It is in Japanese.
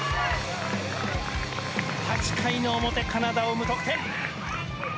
８回の表、カナダを無得点！